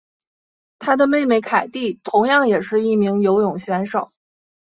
她的妹妹凯蒂同样也是一名游泳选手。